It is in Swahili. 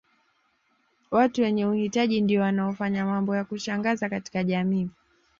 Watu wenye uhitaji ndio wanaofanya mambo ya kushangaza katika jamii